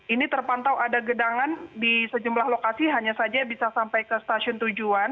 ini terpantau ada gedangan di sejumlah lokasi hanya saja bisa sampai ke stasiun tujuan